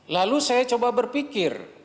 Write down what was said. lalu saya coba berpikir